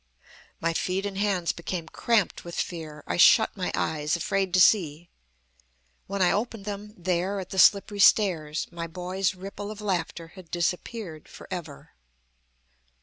My feet and hands became cramped with fear. I shut my eyes, afraid to see. When I opened them, there, at the slippery stairs, my boy's ripple of laughter had disappeared for ever.